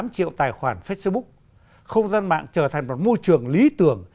năm mươi tám triệu tài khoản facebook không gian mạng trở thành một môi trường lý tưởng